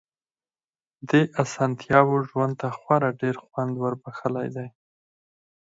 دې اسانتياوو ژوند ته خورا ډېر خوند وربښلی دی.